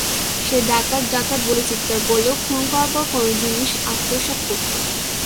সে 'ডাকাত, ডাকাত' বলে চিৎকার করলেও খুন করার পর কোনো জিনিস আত্মসাৎ করত।